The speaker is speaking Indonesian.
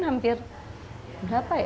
hampir berapa ya